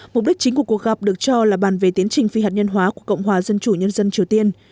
mục đích chính của cuộc gặp được cho là bàn về tiến trình phi hạt nhân hóa của cộng hòa dân chủ nhân dân triều tiên